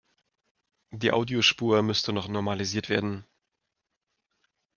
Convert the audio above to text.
Die Audiospur müsste noch normalisiert werden.